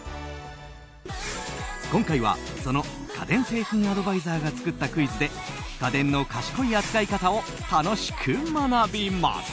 今回はその家電製品アドバイザーが作ったクイズで家電の賢い扱い方を楽しく学びます。